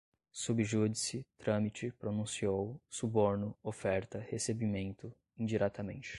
sub judice, trâmite, pronunciou, suborno, oferta, recebimento, indiretamente